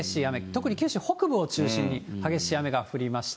特に九州北部を中心に激しい雨が降りました。